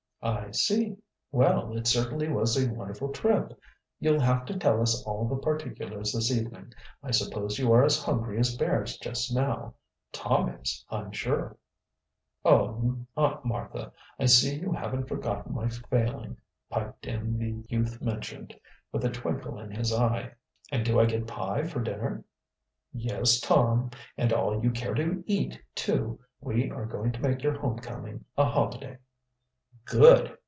"I see. Well, it certainly was a wonderful trip. You'll have to tell us all the particulars this evening. I suppose you are as hungry as bears just now. Tom is, I'm sure." "Oh, Aunt Martha, I see you haven't forgotten my failing," piped in the youth mentioned, with a twinkle in his eye. "And do I get pie for dinner?" "Yes, Tom, and all you care to eat, too. We are going to make your home coming a holiday." "Good!"